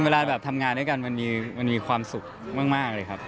เวลาแบบทำงานด้วยกันมันมีความสุขมากเลยครับ